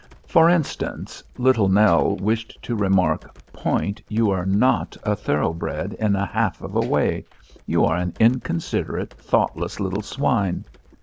For instance, Little Nell wished to remark, "Point, you are not a thoroughbred in a half of a way. You are an inconsiderate, thoughtless little swine."